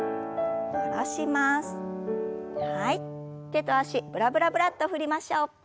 手と脚ブラブラブラッと振りましょう。